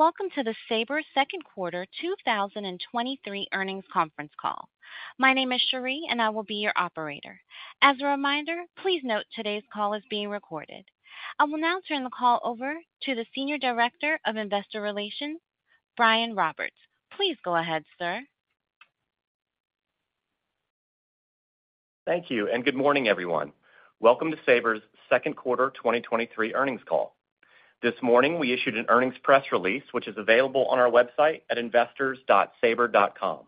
Welcome to the Sabre Second Quarter 2023 Earnings Conference Call. My name is Cherie, and I will be your operator. As a reminder, please note today's call is being recorded. I will now turn the call over to the Senior Director of Investor Relations, Brian Roberts. Please go ahead, sir. Thank you. Good morning, everyone. Welcome to Sabre's second quarter 2023 earnings call. This morning, we issued an earnings press release, which is available on our website at investors.sabre.com.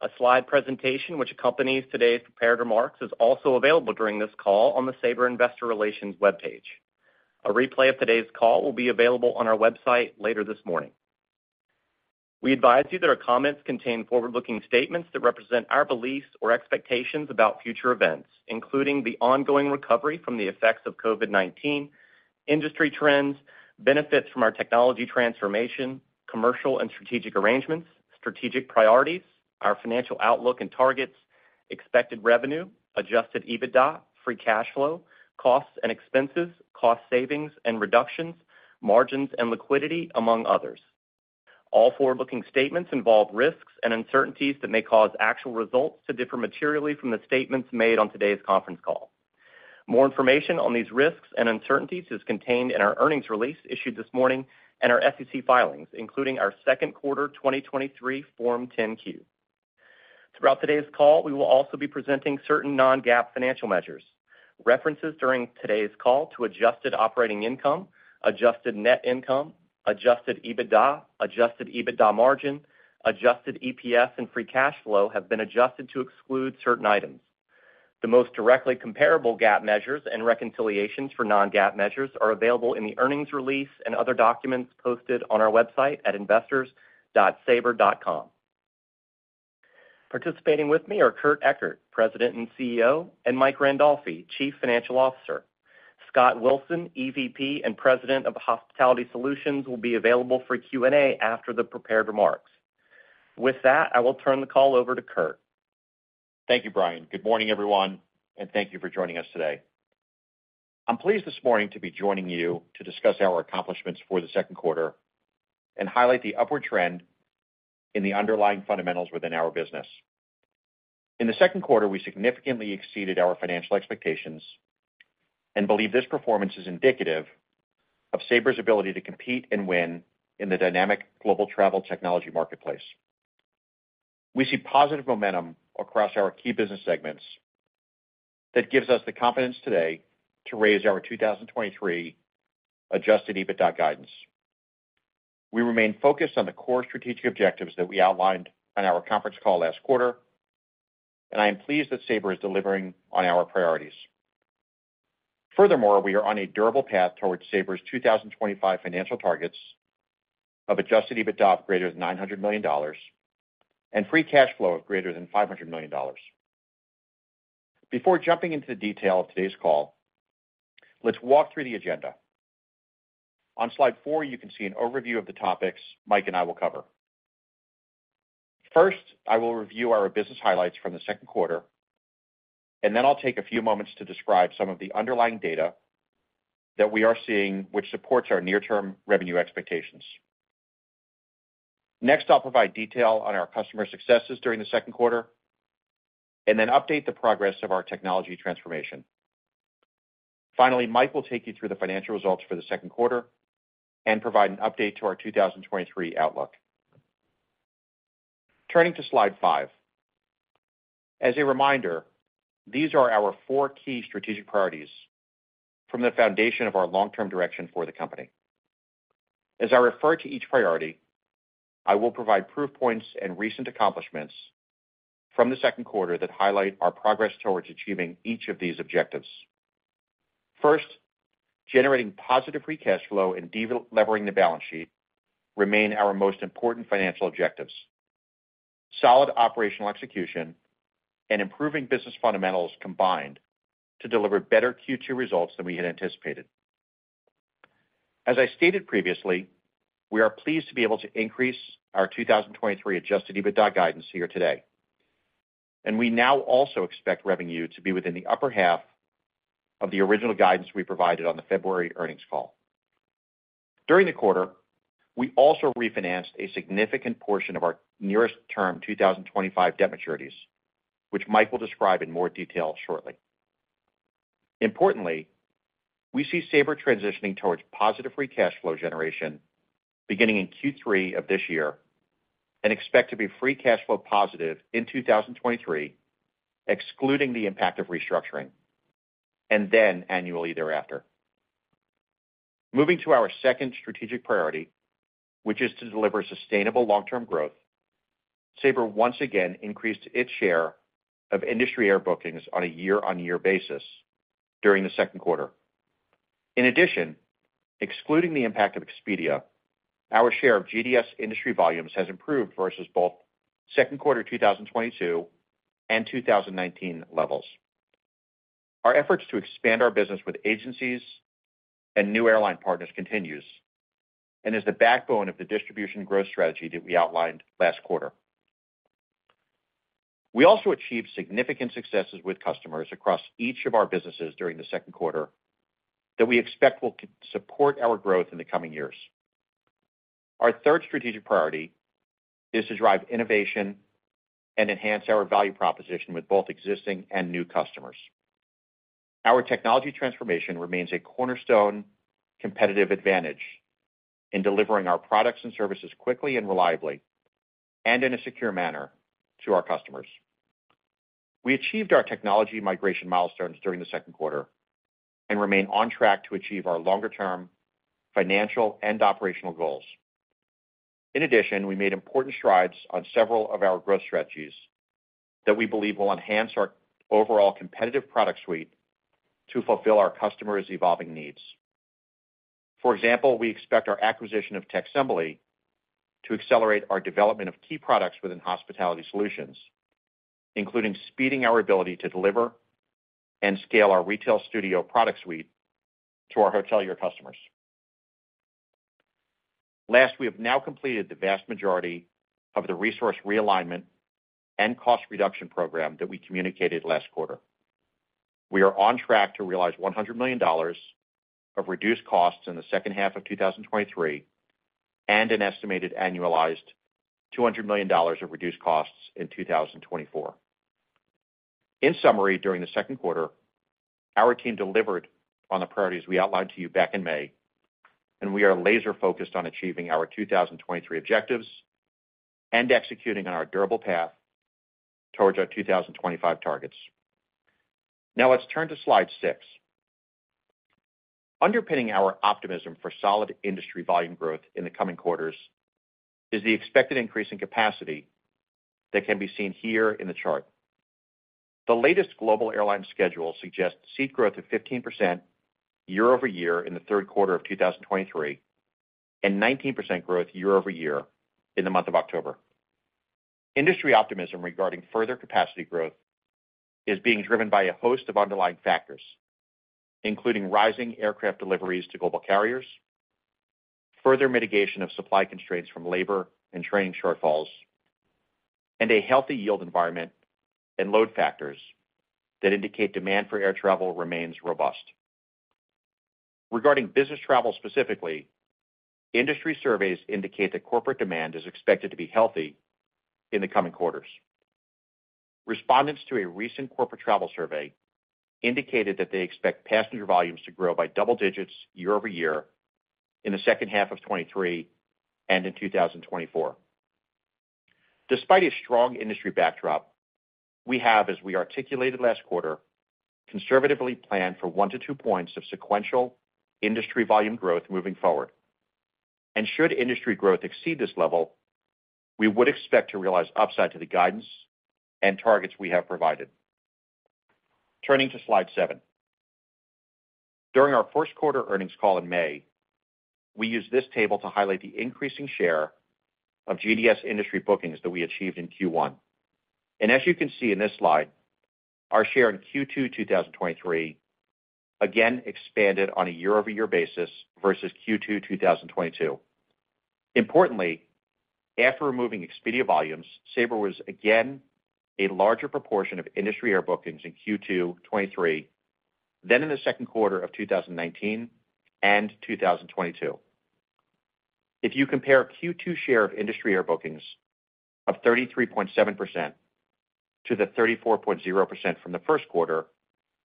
A slide presentation, which accompanies today's prepared remarks, is also available during this call on the Sabre Investor Relations webpage. A replay of today's call will be available on our website later this morning. We advise you that our comments contain forward-looking statements that represent our beliefs or expectations about future events, including the ongoing recovery from the effects of COVID-19, industry trends, benefits from our technology transformation, commercial and strategic arrangements, strategic priorities, our financial outlook and targets, expected revenue, adjusted EBITDA, free cash flow, costs and expenses, cost savings and reductions, margins and liquidity, among others. All forward-looking statements involve risks and uncertainties that may cause actual results to differ materially from the statements made on today's conference call. More information on these risks and uncertainties is contained in our earnings release issued this morning and our SEC filings, including our second quarter 2023 Form 10-Q. Throughout today's call, we will also be presenting certain non-GAAP financial measures. References during today's call to adjusted operating income, adjusted net income, adjusted EBITDA, adjusted EBITDA margin, adjusted EPS, and free cash flow have been adjusted to exclude certain items. The most directly comparable GAAP measures and reconciliations for non-GAAP measures are available in the earnings release and other documents posted on our website at investors.sabre.com. Participating with me are Kurt Ekert, President and CEO, and Mike Randolfi, Chief Financial Officer. Scott Wilson, EVP, and President of Hospitality Solutions, will be available for Q&A after the prepared remarks. With that, I will turn the call over to Kurt. Thank you, Brian. Good morning, everyone, and thank you for joining us today. I'm pleased this morning to be joining you to discuss our accomplishments for the second quarter and highlight the upward trend in the underlying fundamentals within our business. In the second quarter, we significantly exceeded our financial expectations and believe this performance is indicative of Sabre's ability to compete and win in the dynamic global travel technology marketplace. We see positive momentum across our key business segments that gives us the confidence today to raise our 2023 adjusted EBITDA guidance. We remain focused on the core strategic objectives that we outlined on our conference call last quarter, and I am pleased that Sabre is delivering on our priorities. Furthermore, we are on a durable path towards Sabre's 2025 financial targets of adjusted EBITDA of greater than $900 million and free cash flow of greater than $500 million. Before jumping into the detail of today's call, let's walk through the agenda. On slide four, you can see an overview of the topics Mike and I will cover. First, I will review our business highlights from the second quarter, and then I'll take a few moments to describe some of the underlying data that we are seeing, which supports our near-term revenue expectations. Next, I'll provide detail on our customer successes during the second quarter and then update the progress of our technology transformation. Finally, Mike will take you through the financial results for the second quarter and provide an update to our 2023 outlook. Turning to slide five. As a reminder, these are our four key strategic priorities from the foundation of our long-term direction for the company. As I refer to each priority, I will provide proof points and recent accomplishments from the second quarter that highlight our progress towards achieving each of these objectives. First, generating positive free cash flow and de-levering the balance sheet remain our most important financial objectives. Solid operational execution and improving business fundamentals combined to deliver better Q2 results than we had anticipated. As I stated previously, we are pleased to be able to increase our 2023 adjusted EBITDA guidance here today, and we now also expect revenue to be within the upper half of the original guidance we provided on the February earnings call. During the quarter, we also refinanced a significant portion of our nearest term 2025 debt maturities, which Mike will describe in more detail shortly. Importantly, we see Sabre transitioning towards positive free cash flow generation beginning in Q3 of this year and expect to be free cash flow positive in 2023, excluding the impact of restructuring, and then annually thereafter. Moving to our second strategic priority, which is to deliver sustainable long-term growth, Sabre once again increased its share of industry air bookings on a year-on-year basis during the second quarter. In addition, excluding the impact of Expedia, our share of GDS industry volumes has improved versus both second quarter 2022 and 2019 levels. Our efforts to expand our business with agencies and new airline partners continues and is the backbone of the distribution growth strategy that we outlined last quarter. We also achieved significant successes with customers across each of our businesses during the second quarter that we expect will support our growth in the coming years. Our third strategic priority is to drive innovation and enhance our value proposition with both existing and new customers. Our technology transformation remains a cornerstone competitive advantage in delivering our products and services quickly and reliably, and in a secure manner to our customers. We achieved our technology migration milestones during the second quarter and remain on track to achieve our longer-term financial and operational goals. In addition, we made important strides on several of our growth strategies that we believe will enhance our overall competitive product suite to fulfill our customers' evolving needs. For example, we expect our acquisition of Techsembly to accelerate our development of key products within hospitality solutions, including speeding our ability to deliver and scale our retail studio product suite to our hotelier customers. Last, we have now completed the vast majority of the resource realignment and cost reduction program that we communicated last quarter. We are on track to realize $100 million of reduced costs in the second half of 2023, and an estimated annualized $200 million of reduced costs in 2024. In summary, during the second quarter, our team delivered on the priorities we outlined to you back in May, and we are laser focused on achieving our 2023 objectives and executing on our durable path towards our 2025 targets. Now, let's turn to slide six. Underpinning our optimism for solid industry volume growth in the coming quarters is the expected increase in capacity that can be seen here in the chart. The latest global airline schedule suggests seat growth of 15% year-over-year in the third quarter of 2023, and 19% growth year-over-year in the month of October. Industry optimism regarding further capacity growth is being driven by a host of underlying factors, including rising aircraft deliveries to global carriers, further mitigation of supply constraints from labor and training shortfalls, and a healthy yield environment and load factors that indicate demand for air travel remains robust. Regarding business travel specifically, industry surveys indicate that corporate demand is expected to be healthy in the coming quarters. Respondents to a recent corporate travel survey indicated that they expect passenger volumes to grow by double digits year-over-year in the second half of 2023 and in 2024. Despite a strong industry backdrop, we have, as we articulated last quarter, conservatively planned for one to two points of sequential industry volume growth moving forward, and should industry growth exceed this level, we would expect to realize upside to the guidance and targets we have provided. Turning to slide seven. During our first quarter earnings call in May, we used this table to highlight the increasing share of GDS industry bookings that we achieved in Q1. As you can see in this slide, our share in Q2 2023 again expanded on a year-over-year basis versus Q2 2022. Importantly, after removing Expedia volumes, Sabre was again a larger proportion of industry air bookings in Q2 2023 than in the second quarter of 2019 and 2022. If you compare Q2 share of industry air bookings of 33.7% to the 34.0% from the first quarter,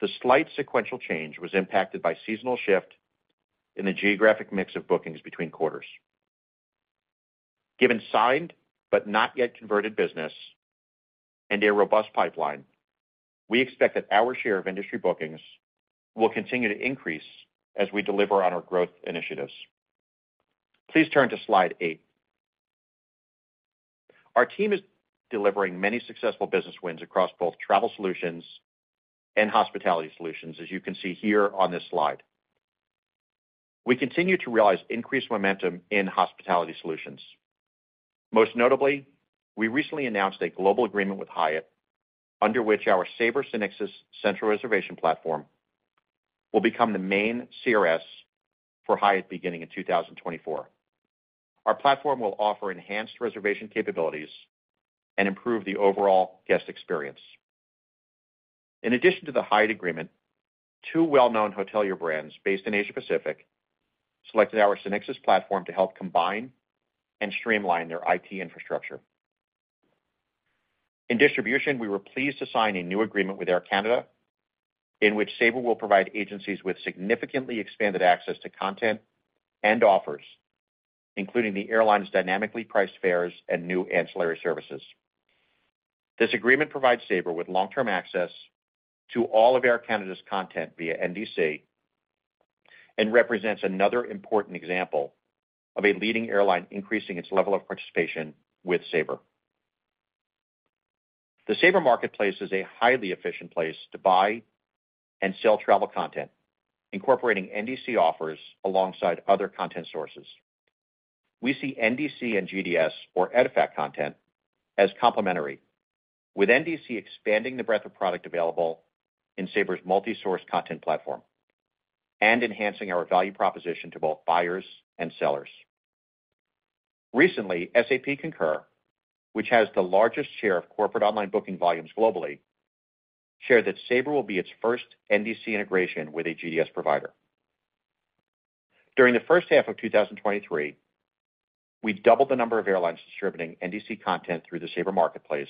the slight sequential change was impacted by seasonal shift in the geographic mix of bookings between quarters. Given signed, but not yet converted business and a robust pipeline, we expect that our share of industry bookings will continue to increase as we deliver on our growth initiatives. Please turn to slide eight. Our team is delivering many successful business wins across both travel solutions and hospitality solutions, as you can see here on this slide. We continue to realize increased momentum in hospitality solutions. Most notably, we recently announced a global agreement with Hyatt, under which our Sabre SynXis Central Reservation Platform will become the main CRS for Hyatt beginning in 2024. Our platform will offer enhanced reservation capabilities and improve the overall guest experience. In addition to the Hyatt agreement, two well-known hotelier brands based in Asia Pacific selected our SynXis platform to help combine and streamline their IT infrastructure. In distribution, we were pleased to sign a new agreement with Air Canada, in which Sabre will provide agencies with significantly expanded access to content and offers, including the airline's dynamically priced fares and new ancillary services. This agreement provides Sabre with long-term access to all of Air Canada's content via NDC and represents another important example of a leading airline increasing its level of participation with Sabre. The Sabre marketplace is a highly efficient place to buy and sell travel content, incorporating NDC offers alongside other content sources. We see NDC and GDS or EDIFACT content as complementary, with NDC expanding the breadth of product available in Sabre's multi-source content platform and enhancing our value proposition to both buyers and sellers. Recently, SAP Concur, which has the largest share of corporate online booking volumes globally, shared that Sabre will be its first NDC integration with a GDS provider. During the first half of 2023, we doubled the number of airlines distributing NDC content through the Sabre Marketplace,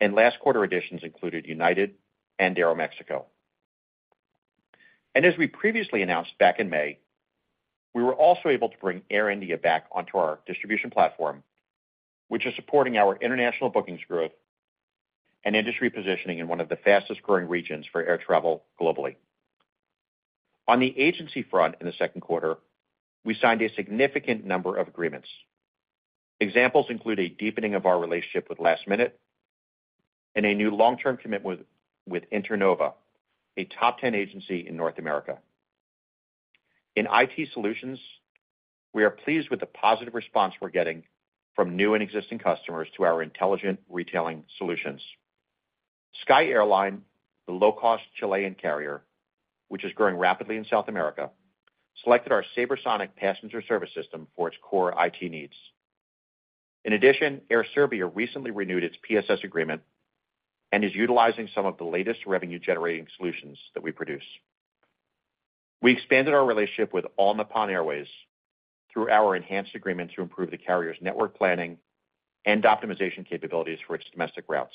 and last quarter additions included United and AeroMexico. As we previously announced back in May, we were also able to bring Air India back onto our distribution platform, which is supporting our international bookings growth and industry positioning in one of the fastest-growing regions for air travel globally. On the agency front, in the second quarter, we signed a significant number of agreements. Examples include a deepening of our relationship with Lastminute and a new long-term commitment with Internova, a top 10 agency in North America. In IT solutions, we are pleased with the positive response we're getting from new and existing customers to our intelligent retailing solutions. Sky Airline, the low-cost Chilean carrier, which is growing rapidly in South America, selected our SabreSonic passenger service system for its core IT needs. In addition, Air Serbia recently renewed its PSS agreement and is utilizing some of the latest revenue-generating solutions that we produce. We expanded our relationship with All Nippon Airways through our enhanced agreement to improve the carrier's network planning and optimization capabilities for its domestic routes.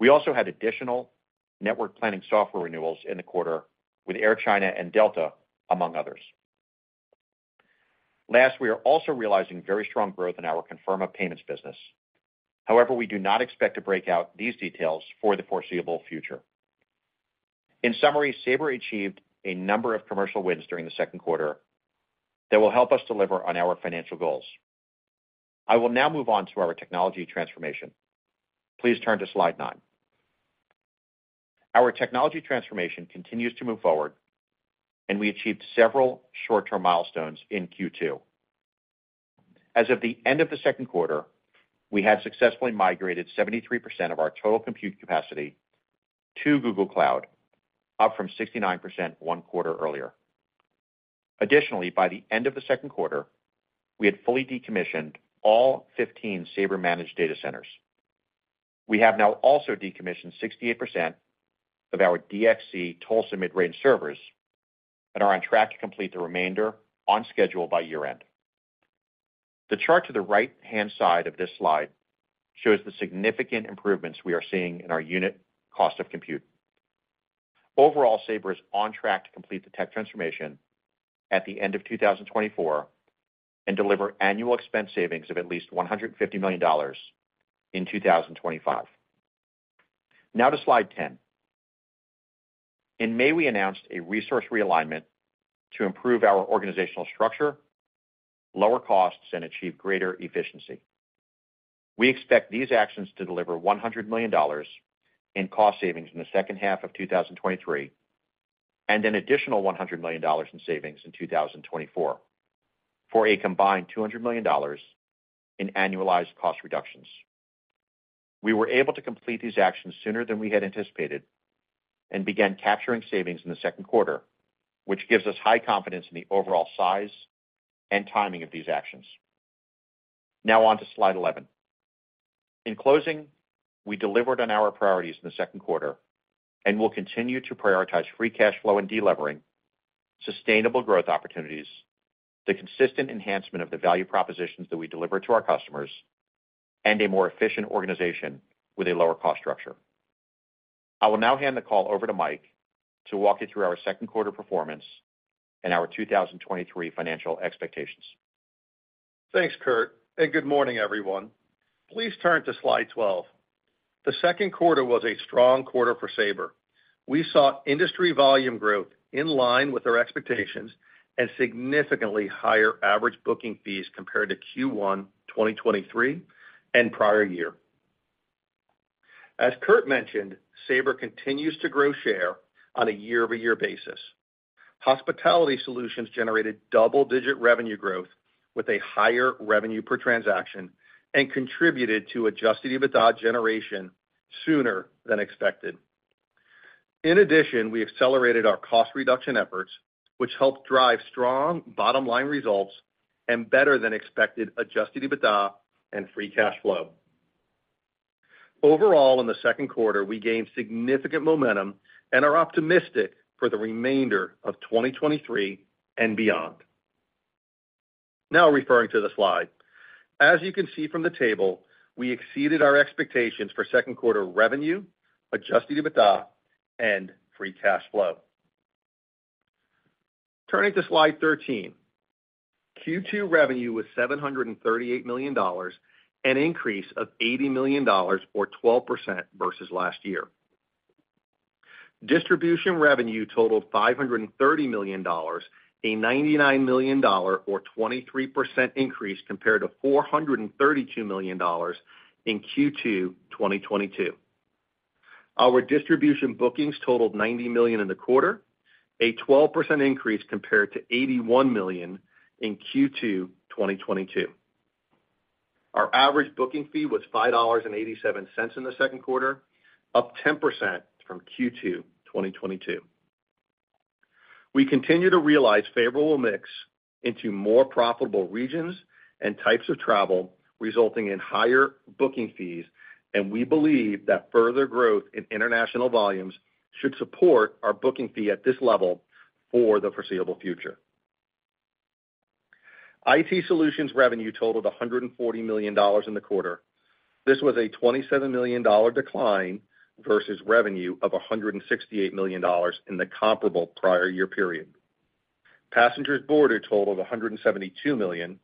We also had additional network planning software renewals in the quarter with Air China and Delta, among others. Last, we are also realizing very strong growth in our Confirma Payments business. We do not expect to break out these details for the foreseeable future. In summary, Sabre achieved a number of commercial wins during the second quarter that will help us deliver on our financial goals. I will now move on to our technology transformation. Please turn to slide nine. Our technology transformation continues to move forward, we achieved several short-term milestones in Q2. As of the end of the second quarter, we had successfully migrated 73% of our total compute capacity to Google Cloud, up from 69% one quarter earlier. Additionally, by the end of the second quarter, we had fully decommissioned all 15 Sabre-managed data centers. We have now also decommissioned 68% of our DXC Tulsa mid-range servers and are on track to complete the remainder on schedule by year-end. The chart to the right-hand side of this slide shows the significant improvements we are seeing in our unit cost of compute. Overall, Sabre is on track to complete the tech transformation at the end of 2024 and deliver annual expense savings of at least $150 million in 2025. Now to slide 10. In May, we announced a resource realignment to improve our organizational structure, lower costs and achieve greater efficiency. We expect these actions to deliver $100 million in cost savings in the second half of 2023 and an additional $100 million in savings in 2024, for a combined $200 million in annualized cost reductions. We were able to complete these actions sooner than we had anticipated and began capturing savings in the second quarter, which gives us high confidence in the overall size and timing of these actions. Now on to slide 11. In closing, we delivered on our priorities in the second quarter and will continue to prioritize free cash flow and delevering, sustainable growth opportunities, the consistent enhancement of the value propositions that we deliver to our customers, and a more efficient organization with a lower cost structure. I will now hand the call over to Mike to walk you through our second quarter performance and our 2023 financial expectations. Thanks, Kurt, and good morning, everyone. Please turn to slide 12. The second quarter was a strong quarter for Sabre. We saw industry volume growth in line with our expectations and significantly higher average booking fees compared to Q1 2023 and prior year. As Kurt mentioned, Sabre continues to grow share on a year-over-year basis. Hospitality Solutions generated double-digit revenue growth with a higher revenue per transaction and contributed to adjusted EBITDA generation sooner than expected. In addition, we accelerated our cost reduction efforts, which helped drive strong bottom line results and better than expected adjusted EBITDA and free cash flow. Overall, in the second quarter, we gained significant momentum and are optimistic for the remainder of 2023 and beyond. Now referring to the slide. As you can see from the table, we exceeded our expectations for second quarter revenue, adjusted EBITDA, and free cash flow. Turning to slide 13. Q2 revenue was $738 million, an increase of $80 million or 12% versus last year. Distribution revenue totaled $530 million, a $99 million or 23% increase compared to $432 million in Q2 2022. Our distribution bookings totaled 90 million in the quarter, a 12% increase compared to 81 million in Q2 2022. Our average booking fee was $5.87 in the second quarter, up 10% from Q2 2022. We continue to realize favorable mix into more profitable regions and types of travel, resulting in higher booking fees, and we believe that further growth in international volumes should support our booking fee at this level for the foreseeable future. IT solutions revenue totaled $140 million in the quarter. This was a $27 million decline versus revenue of $168 million in the comparable prior year period. Passengers boarded totaled 172 million,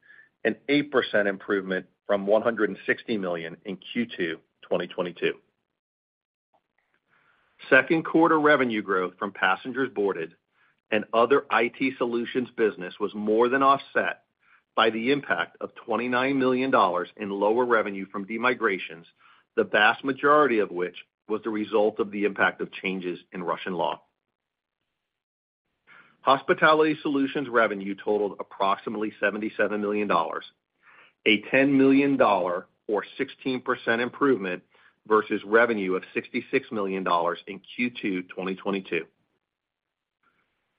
an 8% improvement from 160 million in Q2 2022. Second quarter revenue growth from passengers boarded and other IT solutions business was more than offset by the impact of $29 million in lower revenue from de-migrations, the vast majority of which was the result of the impact of changes in Russian law. Hospitality Solutions revenue totaled approximately $77 million, a $10 million or 16% improvement versus revenue of $66 million in Q2 2022.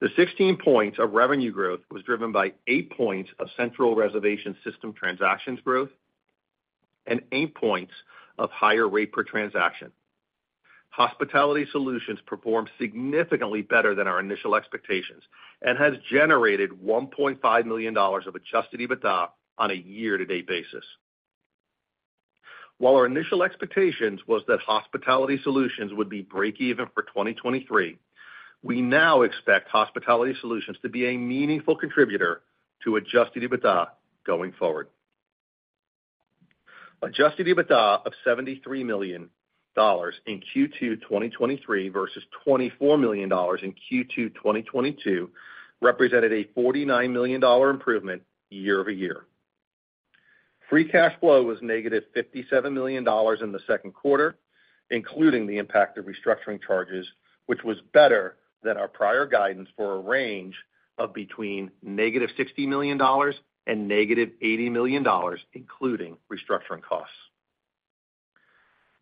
The 16 points of revenue growth was driven by eight points of central reservation system transactions growth and eight points of higher rate per transaction. Hospitality Solutions performed significantly better than our initial expectations and has generated $1.5 million of adjusted EBITDA on a year-to-date basis. While our initial expectations was that Hospitality Solutions would be breakeven for 2023, we now expect Hospitality Solutions to be a meaningful contributor to adjusted EBITDA going forward. Adjusted EBITDA of $73 million in Q2 2023 versus $24 million in Q2 2022, represented a $49 million improvement year-over-year. Free cash flow was negative $57 million in the second quarter, including the impact of restructuring charges, which was better than our prior guidance for a range of between negative $60 million and negative $80 million, including restructuring costs.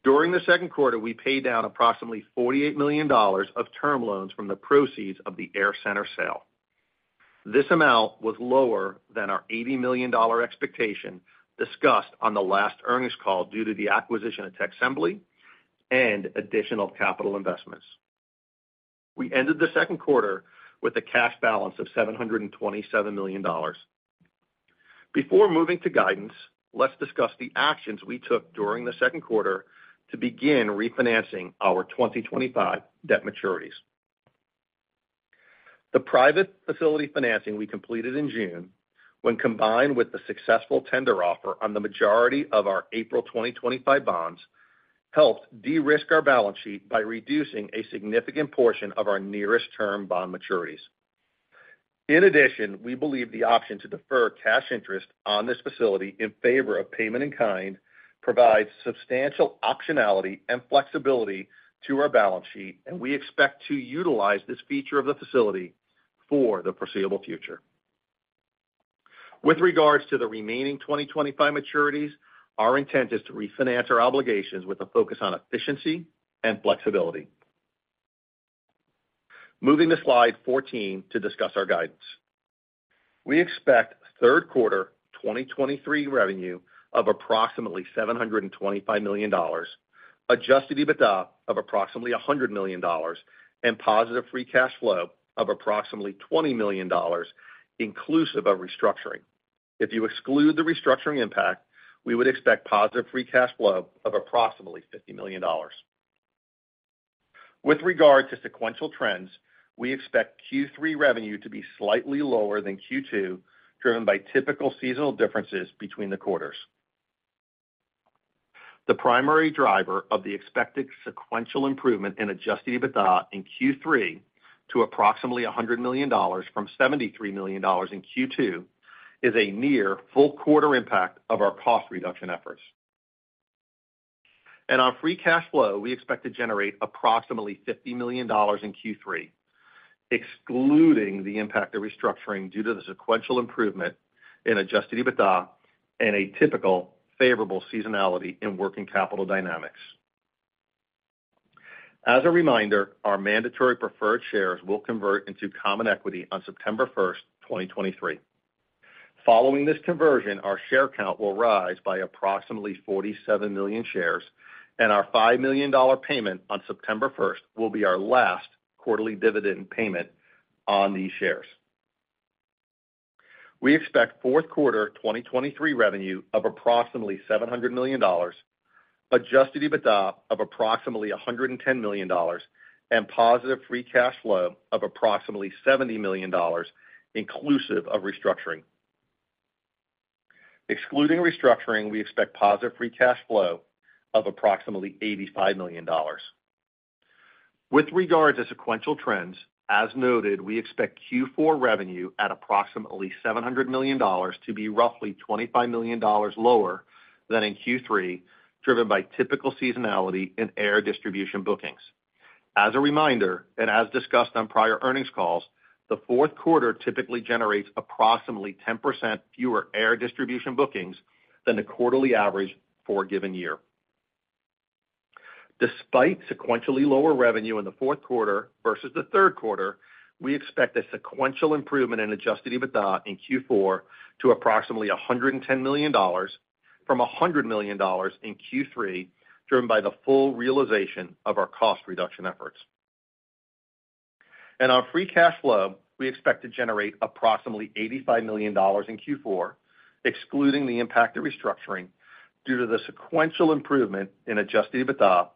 During the second quarter, we paid down approximately $48 million of term loans from the proceeds of the AirCenter sale. This amount was lower than our $80 million expectation discussed on the last earnings call, due to the acquisition of Techsembly and additional capital investments. We ended the second quarter with a cash balance of $727 million. Before moving to guidance, let's discuss the actions we took during the second quarter to begin refinancing our 2025 debt maturities. The private facility financing we completed in June, when combined with the successful tender offer on the majority of our April 2025 bonds, helped de-risk our balance sheet by reducing a significant portion of our nearest term bond maturities. In addition, we believe the option to defer cash interest on this facility in favor of payment in kind, provides substantial optionality and flexibility to our balance sheet, and we expect to utilize this feature of the facility for the foreseeable future. With regards to the remaining 2025 maturities, our intent is to refinance our obligations with a focus on efficiency and flexibility. Moving to slide 14 to discuss our guidance. We expect third quarter 2023 revenue of approximately $725 million, adjusted EBITDA of approximately $100 million, and positive free cash flow of approximately $20 million, inclusive of restructuring. If you exclude the restructuring impact, we would expect positive free cash flow of approximately $50 million. With regard to sequential trends, we expect Q3 revenue to be slightly lower than Q2, driven by typical seasonal differences between the quarters. The primary driver of the expected sequential improvement in adjusted EBITDA in Q3 to approximately $100 million from $73 million in Q2, is a near full quarter impact of our cost reduction efforts. On free cash flow, we expect to generate approximately $50 million in Q3, excluding the impact of restructuring due to the sequential improvement in adjusted EBITDA and a typical favorable seasonality in working capital dynamics. As a reminder, our mandatory preferred shares will convert into common equity on September 1, 2023. Following this conversion, our share count will rise by approximately 47 million shares, and our $5 million payment on September 1 will be our last quarterly dividend payment on these shares. We expect fourth quarter 2023 revenue of approximately $700 million, adjusted EBITDA of approximately $110 million, and positive free cash flow of approximately $70 million, inclusive of restructuring. Excluding restructuring, we expect positive free cash flow of approximately $85 million. With regard to sequential trends, as noted, we expect Q4 revenue at approximately $700 million to be roughly $25 million lower than in Q3, driven by typical seasonality in air distribution bookings. As a reminder, as discussed on prior earnings calls, the fourth quarter typically generates approximately 10% fewer air distribution bookings than the quarterly average for a given year. Despite sequentially lower revenue in the fourth quarter versus the third quarter, we expect a sequential improvement in adjusted EBITDA in Q4 to approximately $110 million from $100 million in Q3, driven by the full realization of our cost reduction efforts. On free cash flow, we expect to generate approximately $85 million in Q4, excluding the impact of restructuring, due to the sequential improvement in adjusted EBITDA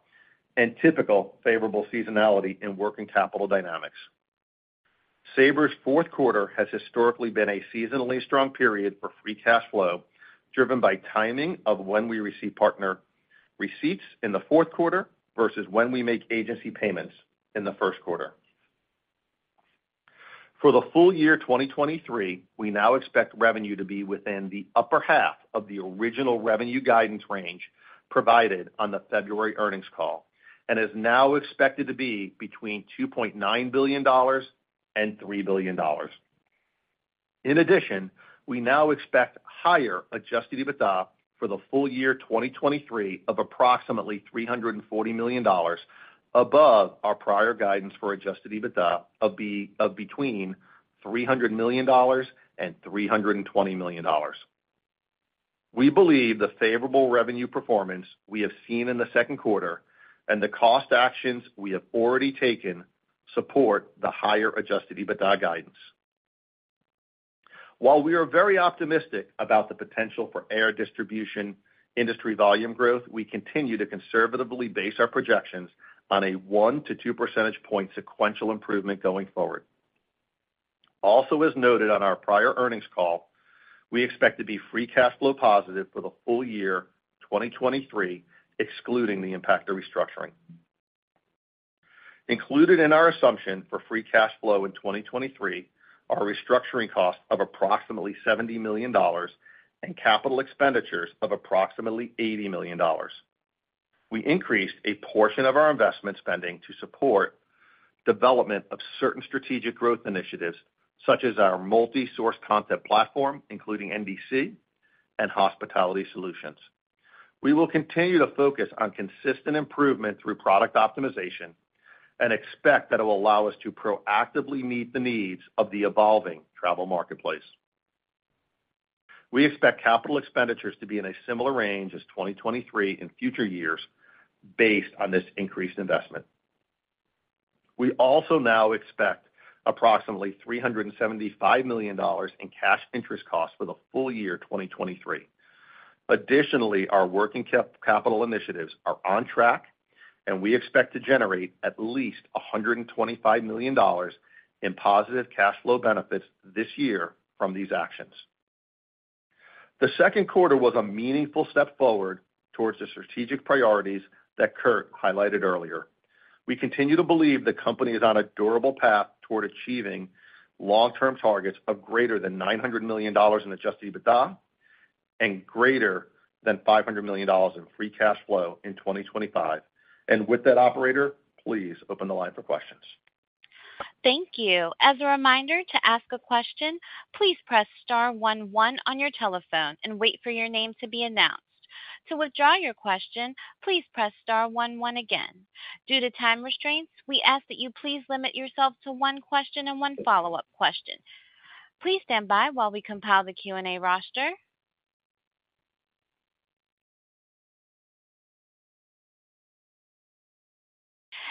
and typical favorable seasonality in working capital dynamics. Sabre's fourth quarter has historically been a seasonally strong period for free cash flow, driven by timing of when we receive partner receipts in the fourth quarter versus when we make agency payments in the first quarter. For the full year 2023, we now expect revenue to be within the upper half of the original revenue guidance range provided on the February earnings call, and is now expected to be between $2.9 billion and $3 billion. In addition, we now expect higher adjusted EBITDA for the full year 2023 of approximately $340 million above our prior guidance for adjusted EBITDA of between $300 million and $320 million. We believe the favorable revenue performance we have seen in the second quarter and the cost actions we have already taken support the higher adjusted EBITDA guidance. While we are very optimistic about the potential for air distribution industry volume growth, we continue to conservatively base our projections on a one to two percentage point sequential improvement going forward. Also, as noted on our prior earnings call, we expect to be free cash flow positive for the full year 2023, excluding the impact of restructuring. Included in our assumption for free cash flow in 2023 are restructuring costs of approximately $70 million and capital expenditures of approximately $80 million. We increased a portion of our investment spending to support development of certain strategic growth initiatives, such as our multi-source content platform, including NDC and Hospitality Solutions. We will continue to focus on consistent improvement through product optimization and expect that it will allow us to proactively meet the needs of the evolving travel marketplace. We expect capital expenditures to be in a similar range as 2023 in future years based on this increased investment. We also now expect approximately $375 million in cash interest costs for the full year 2023. Additionally, our working capital initiatives are on track, and we expect to generate at least $125 million in positive cash flow benefits this year from these actions. The second quarter was a meaningful step forward towards the strategic priorities that Kurt highlighted earlier. We continue to believe the company is on a durable path toward achieving long-term targets of greater than $900 million in adjusted EBITDA and greater than $500 million in free cash flow in 2025. With that, operator, please open the line for questions. Thank you. As a reminder, to ask a question, please press star one, one on your telephone and wait for your name to be announced. To withdraw your question, please press star one, one again. Due to time restraints, we ask that you please limit yourself to one question and one follow-up question. Please stand by while we compile the Q&A roster.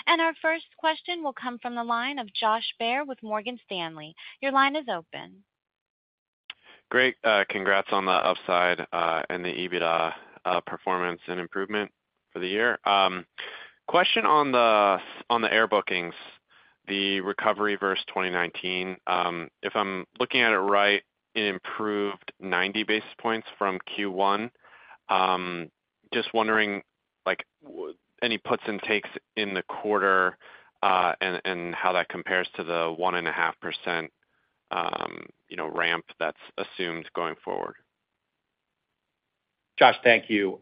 Our first question will come from the line of Josh Baer with Morgan Stanley. Your line is open. Great. Congrats on the upside, and the EBITDA performance and improvement for the year. Question on the, on the air bookings, the recovery versus 2019. If I'm looking at it right, it improved 90 basis points from Q1. Just wondering, like, any puts and takes in the quarter, and how that compares to the 1.5%, you know, ramp that's assumed going forward? Josh, thank you.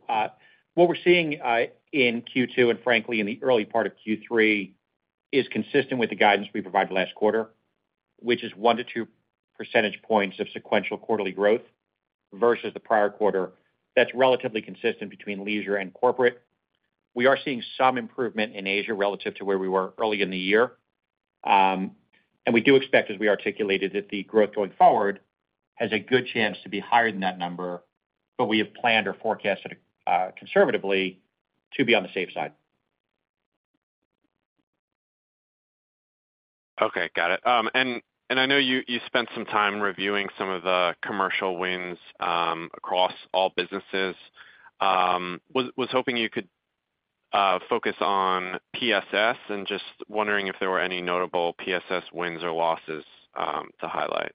What we're seeing in Q2, and frankly, in the early part of Q3, is consistent with the guidance we provided last quarter, which isone to two percentage points of sequential quarterly growth versus the prior quarter. That's relatively consistent between leisure and corporate. We are seeing some improvement in Asia relative to where we were early in the year. We do expect, as we articulated, that the growth going forward has a good chance to be higher than that number, but we have planned or forecasted conservatively to be on the safe side. Okay, got it. I know you, you spent some time reviewing some of the commercial wins across all businesses. Was, was hoping you could focus on PSS and just wondering if there were any notable PSS wins or losses to highlight.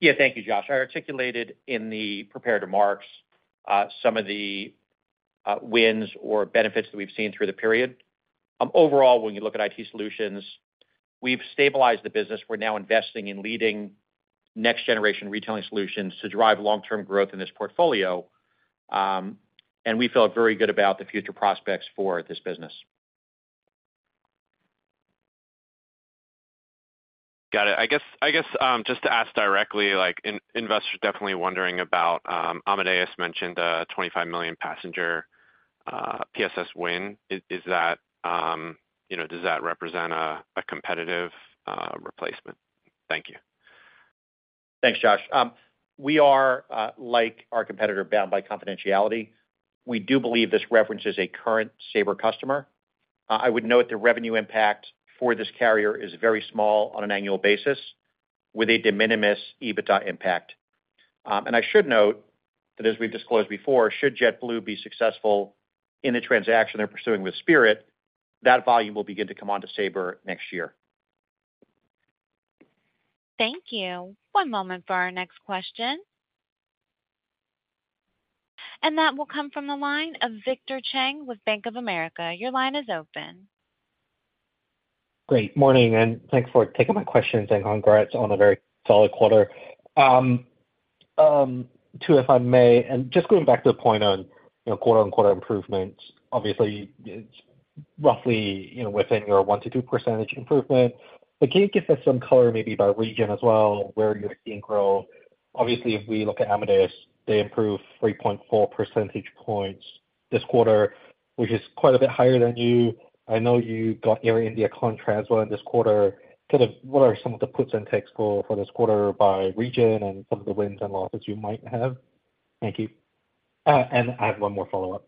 Yeah. Thank you, Josh. I articulated in the prepared remarks, some of the wins or benefits that we've seen through the period. Overall, when you look at IT solutions. We've stabilized the business. We're now investing in leading next-generation retailing solutions to drive long-term growth in this portfolio, and we feel very good about the future prospects for this business. Got it. I guess, I guess, just to ask directly, like, investors are definitely wondering about, Amadeus mentioned a 25 million passenger PSS win. Is, is that, you know, does that represent a, a competitive replacement? Thank you. Thanks, Josh. We are like our competitor, bound by confidentiality. We do believe this references a current Sabre customer. I would note the revenue impact for this carrier is very small on an annual basis, with a de minimis EBITDA impact. And I should note that as we've disclosed before, should JetBlue be successful in the transaction they're pursuing with Spirit, that volume will begin to come onto Sabre next year. Thank you. One moment for our next question. That will come from the line of Victor Cheng with Bank of America. Your line is open. Great morning. Thanks for taking my questions and congrats on a very solid quarter. Two, if I may. Just going back to the point on, you know, quarter-on-quarter improvements, obviously, it's roughly, you know, within your 1%-2% improvement. Can you give us some color, maybe by region as well, where you're seeing growth? Obviously, if we look at Amadeus, they improved 3.4 percentage points this quarter, which is quite a bit higher than you. I know you got Air India contract as well in this quarter. Kind of, what are some of the puts and takes for this quarter by region and some of the wins and losses you might have? Thank you. I have one more follow-up.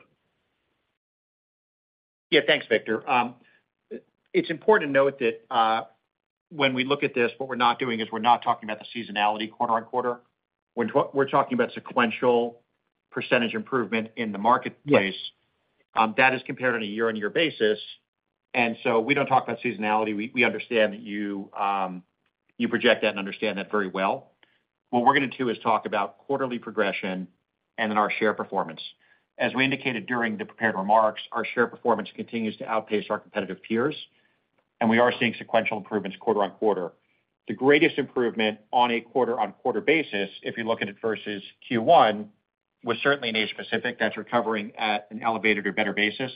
Yeah. Thanks, Victor. It's important to note that when we look at this, what we're not doing is we're not talking about the seasonality quarter-on-quarter. We're talking about sequential percentage improvement in the marketplace. Yes. That is compared on a year-on-year basis, and so we don't talk about seasonality. We, we understand that you, you project that and understand that very well. What we're gonna do is talk about quarterly progression and then our share performance. As we indicated during the prepared remarks, our share performance continues to outpace our competitive peers, and we are seeing sequential improvements quarter-on-quarter. The greatest improvement on a quarter-on-quarter basis, if you look at it versus Q1, was certainly in Asia Pacific. That's recovering at an elevated or better basis.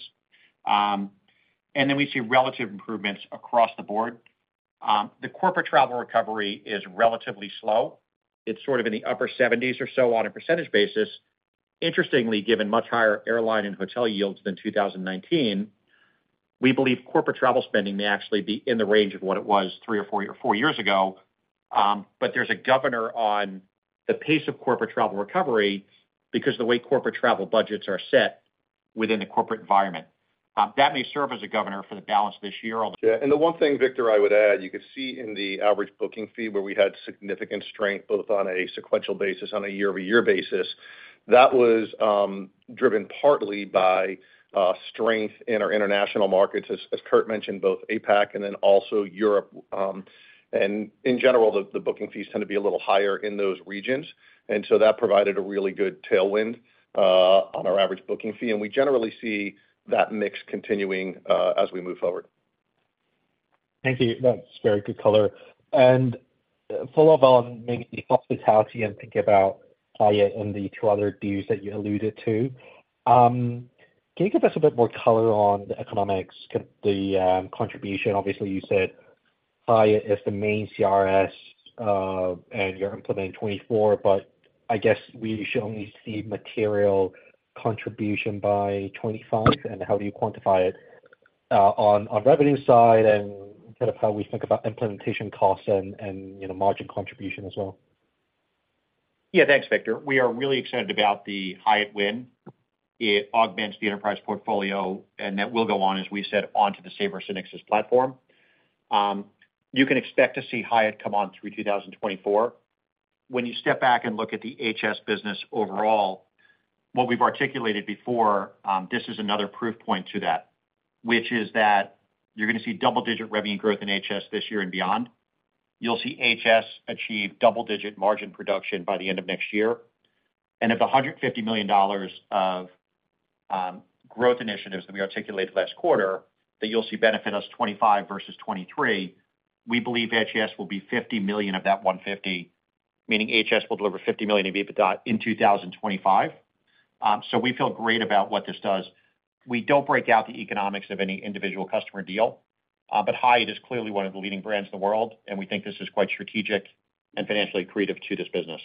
And then we see relative improvements across the board. The corporate travel recovery is relatively slow. It's sort of in the upper 70s or so on a percentage basis. Interestingly, given much higher airline and hotel yields than 2019, we believe corporate travel spending may actually be in the range of what it was three or four years ago. There's a governor on the pace of corporate travel recovery because the way corporate travel budgets are set within the corporate environment. That may serve as a governor for the balance of this year. The one thing, Victor, I would add, you could see in the average booking fee, where we had significant strength, both on a sequential basis, on a year-over-year basis. That was driven partly by strength in our international markets as, as Kurt mentioned, both APAC and then also Europe. In general, the booking fees tend to be a little higher in those regions, and so that provided a really good tailwind on our average booking fee. We generally see that mix continuing as we move forward. Thank you. That's very good color. Follow up on maybe the hospitality and think about Hyatt and the two other deals that you alluded to. Can you give us a bit more color on the economics, the contribution? Obviously, you said Hyatt is the main CRS, and you're implementing 2024, but I guess we should only see material contribution by 2025. How do you quantify it on revenue side, and kind of how we think about implementation costs and, and, you know, margin contribution as well? Yeah, thanks, Victor. We are really excited about the Hyatt win. It augments the enterprise portfolio. That will go on, as we said, onto the Sabre SynXis platform. You can expect to see Hyatt come on through 2024. When you step back and look at the HS business overall, what we've articulated before, this is another proof point to that. Which is that you're gonna see double-digit revenue growth in HS this year and beyond. You'll see HS achieve double-digit margin production by the end of next year. Of the $150 million of growth initiatives that we articulated last quarter, that you'll see benefit us 2025 versus 2023, we believe HS will be $50 million of that $150, meaning HS will deliver $50 million of EBITDA in 2025. We feel great about what this does. We don't break out the economics of any individual customer deal, but Hyatt is clearly one of the leading brands in the world, and we think this is quite strategic and financially accretive to this business.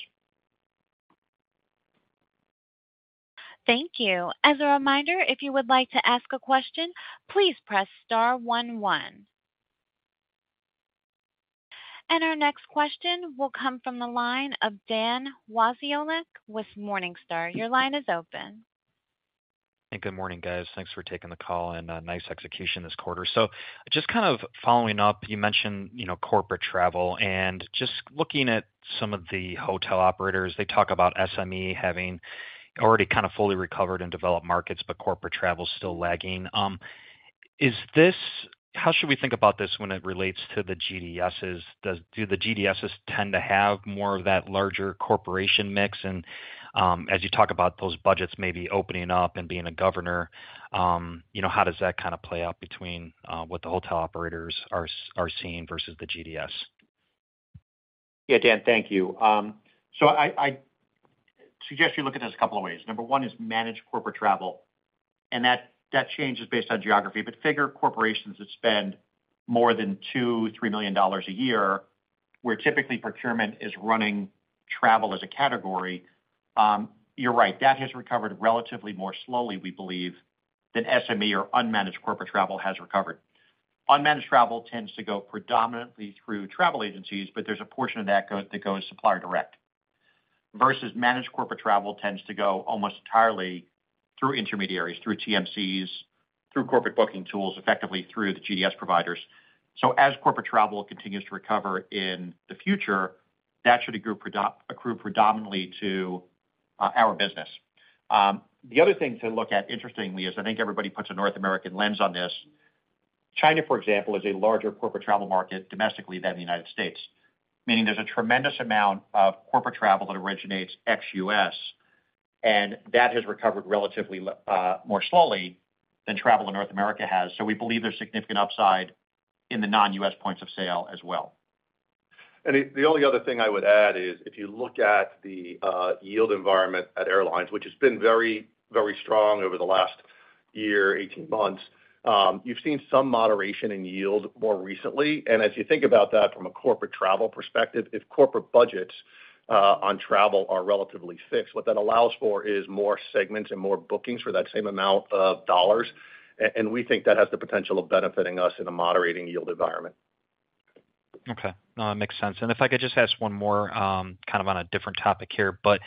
Thank you. As a reminder, if you would like to ask a question, please press star one one. Our next question will come from the line of Dan Wasiolek with Morningstar. Your line is open. Good morning, guys. Thanks for taking the call, and nice execution this quarter. Just kind of following up, you mentioned, you know, corporate travel, and just looking at some of the hotel operators, they talk about SME having already kind of fully recovered in developed markets, but corporate travel is still lagging. Is this how should we think about this when it relates to the GDSs? Do the GDSs tend to have more of that larger corporation mix as you talk about those budgets maybe opening up and being a governor, you know, how does that kind of play out between what the hotel operators are seeing versus the GDS? Yeah, Dan, thank you. I, I suggest you look at this a couple of ways. Number one is managed corporate travel, that changes based on geography. Figure corporations that spend more than $2 million-$3 million a year, where typically procurement is running travel as a category, you're right, that has recovered relatively more slowly, we believe, than SME or unmanaged corporate travel has recovered. Unmanaged travel tends to go predominantly through travel agencies, there's a portion of that that goes supplier direct. Versus managed corporate travel tends to go almost entirely through intermediaries, through TMCs, through corporate booking tools, effectively through the GDS providers. As corporate travel continues to recover in the future, that should accrue predominantly to our business. The other thing to look at, interestingly, is I think everybody puts a North American lens on this. China, for example, is a larger corporate travel market domestically than the United States, meaning there's a tremendous amount of corporate travel that originates ex-US, and that has recovered relatively more slowly than travel in North America has. We believe there's significant upside in the non-US points of sale as well. The, the only other thing I would add is, if you look at the yield environment at airlines, which has been very, very strong over the last one year, 18 months, you've seen some moderation in yield more recently. As you think about that from a corporate travel perspective, if corporate budgets on travel are relatively fixed, what that allows for is more segments and more bookings for that same amount of dollars. We think that has the potential of benefiting us in a moderating yield environment. Okay, makes sense. If I could just ask one more, kind of on a different topic here, but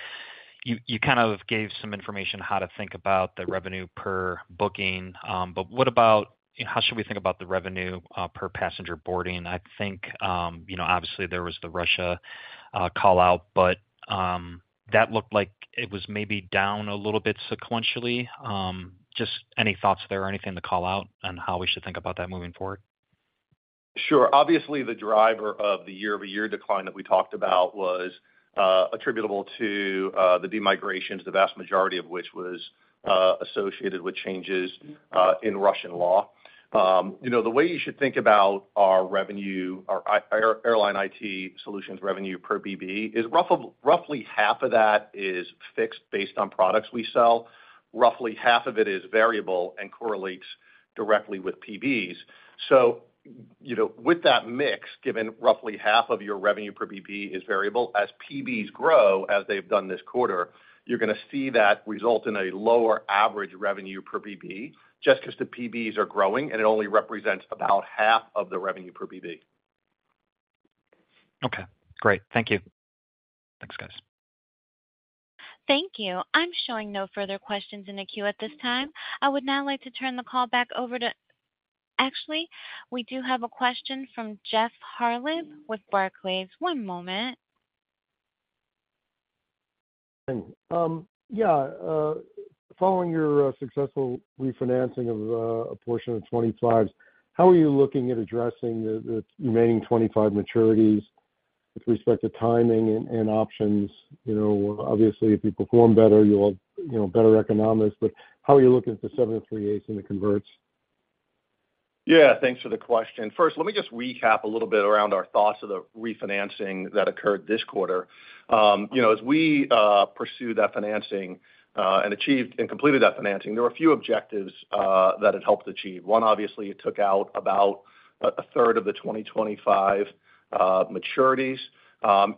you, you kind of gave some information how to think about the revenue per booking. What about, how should we think about the revenue per passenger boarding? I think, you know, obviously there was the Russia call out, but that looked like it was maybe down a little bit sequentially. Just any thoughts there or anything to call out on how we should think about that moving forward? Sure. Obviously, the driver of the year-over-year decline that we talked about was attributable to the demigrations, the vast majority of which was associated with changes in Russian law. You know, the way you should think about our revenue, our airline IT solutions revenue per BP, is roughly half of that is fixed based on products we sell. Roughly half of it is variable and correlates directly with PBs. You know, with that mix, given roughly half of your revenue per BP is variable, as PBs grow, as they've done this quarter, you're gonna see that result in a lower average revenue per BP, just because the PBs are growing, and it only represents about half of the revenue per BP. Okay, great. Thank you. Thanks, guys. Thank you. I'm showing no further questions in the queue at this time. I would now like to turn the call back over to. Actually, we do have a question from Jeff Harlev with Barclays. One moment. Yeah, following your successful refinancing of a portion of 25s, how are you looking at addressing the remaining 25 maturities with respect to timing and options? You know, obviously, if you perform better, you'll, you know, better economics, but how are you looking at the 7 3/8s in the converts? Yeah, thanks for the question. First, let me just recap a little bit around our thoughts of the refinancing that occurred this quarter. You know, as we pursue that financing and achieved and completed that financing, there were a few objectives that it helped achieve. One, obviously, it took out about 1/3 of the 2025 maturities.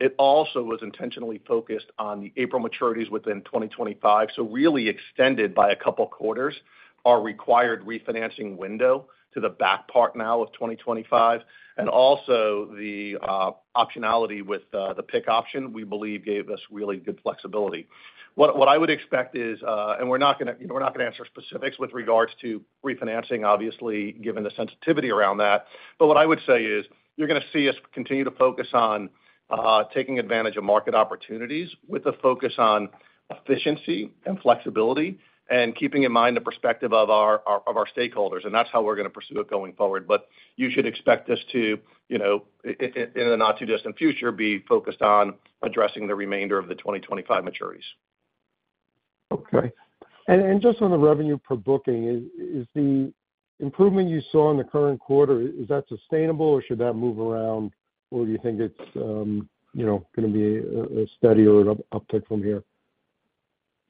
It also was intentionally focused on the April maturities within 2025, so really extended by a couple quarters our required refinancing window to the back part now of 2025, and also the optionality with the pick option, we believe gave us really good flexibility. What, what I would expect is, and we're not gonna, you know, we're not gonna answer specifics with regards to refinancing, obviously, given the sensitivity around that. What I would say is, you're gonna see us continue to focus on taking advantage of market opportunities with a focus on efficiency and flexibility and keeping in mind the perspective of our, of, of our stakeholders, and that's how we're gonna pursue it going forward. You should expect us to, you know, in the not too distant future, be focused on addressing the remainder of the 2025 maturities. Okay. Just on the revenue per booking, is, is the improvement you saw in the current quarter, is that sustainable, or should that move around, or do you think it's, you know, gonna be a, a steady or an uptick from here?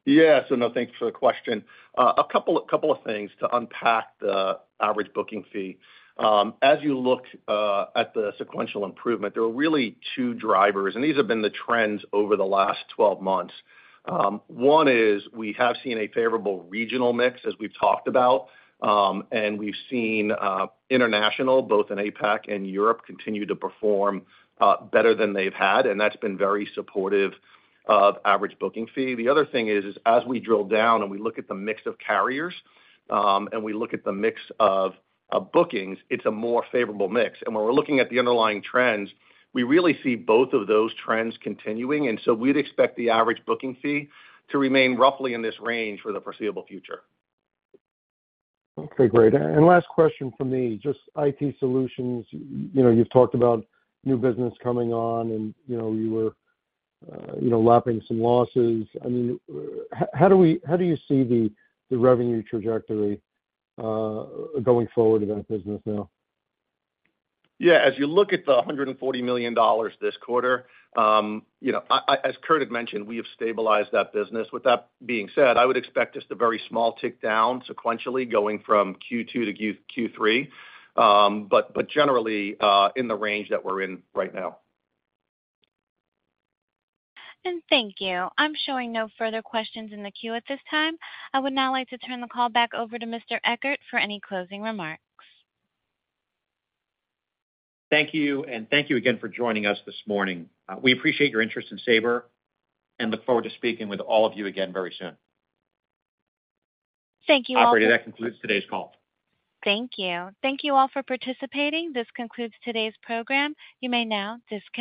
Yeah, no, thanks for the question. A couple of things to unpack the average booking fee. As you look at the sequential improvement, there are really two drivers, and these have been the trends over the last 12 months. One is we have seen a favorable regional mix, as we've talked about, and we've seen international, both in APAC and Europe, continue to perform better than they've had, and that's been very supportive of average booking fee. The other thing is, as we drill down and we look at the mix of carriers, and we look at the mix of bookings, it's a more favorable mix. When we're looking at the underlying trends, we really see both of those trends continuing, and so we'd expect the average booking fee to remain roughly in this range for the foreseeable future. Okay, great. Last question from me, just IT solutions. You know, you've talked about new business coming on and, you know, you were, you know, lapping some losses. I mean, how do you see the revenue trajectory, going forward in that business now? Yeah, as you look at the $140 million this quarter, you know, I, I, as Kurt had mentioned, we have stabilized that business. With that being said, I would expect just a very small tick down sequentially going from Q2 to Q3, but generally, in the range that we're in right now. Thank you. I'm showing no further questions in the queue at this time. I would now like to turn the call back over to Mr. Ekert for any closing remarks. Thank you, and thank you again for joining us this morning. We appreciate your interest in Sabre and look forward to speaking with all of you again very soon. Thank you all. Operator, that concludes today's call. Thank you. Thank you all for participating. This concludes today's program. You may now disconnect.